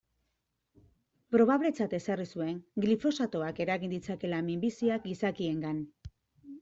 Probabletzat ezarri zuen glifosatoak eragin ditzakeela minbiziak gizakiengan.